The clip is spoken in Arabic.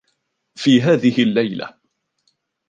في هذه الليلة.